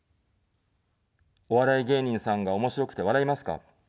お笑い芸人さんがおもしろくて笑いますか。